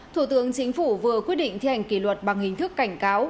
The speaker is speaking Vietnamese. thủ tướng chính phủ vừa quyết định thi hành kỷ luật bằng hình thức cảnh cáo